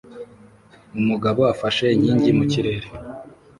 Umugabo afashe inkingi mu kirere